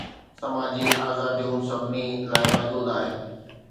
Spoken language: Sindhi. سماجي آزاديون سڀني لاءِ محدود آهن.